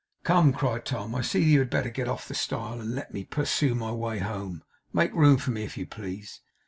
'Come!' cried Tom, 'I see that you had better get off the stile, and let me pursue my way home. Make room for me, if you please.